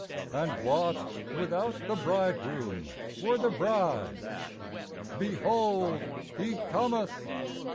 And what, without the Bridegroom, were the Bride ? Behold, He cometh